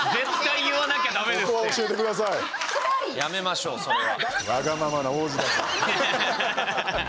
やめましょう、それは。